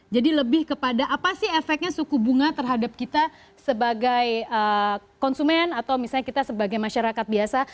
jadi lebih kepada apa sih efeknya suku bunga terhadap kita sebagai konsumen atau misalnya kita sebagai masyarakat biasa